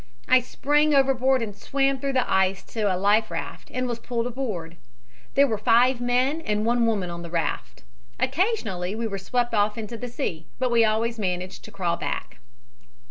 "I sprang overboard and swam through the ice to a life raft, and was pulled aboard. There were five men and one woman on the raft. Occasionally we were swept off into the sea, but always managed to crawl back.